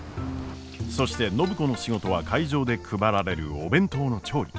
そして暢子の仕事は会場で配られるお弁当の調理。